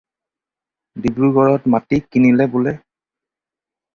ডিব্ৰুগড়ত মাটি কিনিলে বোলে?